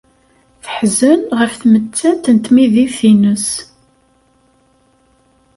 Teḥzen ɣef tmettant n tmidit-nnes.